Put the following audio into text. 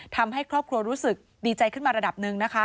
ทำให้ครอบครัวรู้สึกดีใจขึ้นมาระดับหนึ่งนะคะ